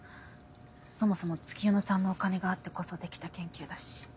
そもそも月夜野さんのお金があってこそできた研究だし。